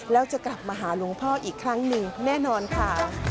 แล้วจะกลับมาหาหลวงพ่ออีกครั้งหนึ่งแน่นอนค่ะ